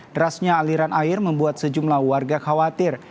derasnya aliran air membuat sejumlah warga khawatir